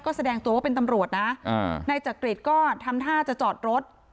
ก็แสดงตัวว่าเป็นตำรวจนะนายจักริตก็ทำท่าจะจอดรถ